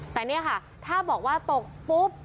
แต่นี่ค่ะถ้าบอกว่าตกปุ๊บ